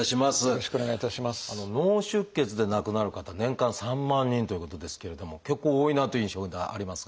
脳出血で亡くなる方年間３万人ということですけれども結構多いなという印象がありますが。